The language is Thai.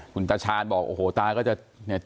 คุณตระชาญบอกโอ้โหตาก็จะ๗๐แล้ว